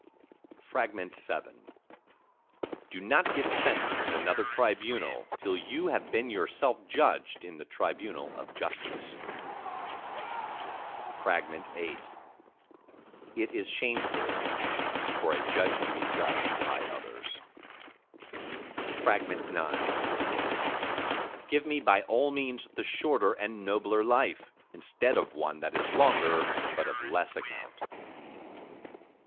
VII Do not give sentence in another tribunal till you have been yourself judged in the tribunal of Justice. VIII If is shameful for a Judge to be judged by others. IX Give me by all means the shorter and nobler life, instead of one that is longer but of less account!